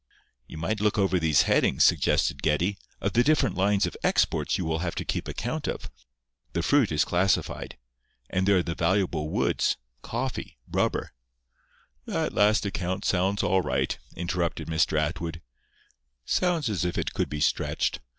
"You might look over these headings," suggested Geddie, "of the different lines of exports you will have to keep account of. The fruit is classified; and there are the valuable woods, coffee, rubber—" "That last account sounds all right," interrupted Mr. Atwood. "Sounds as if it could be stretched.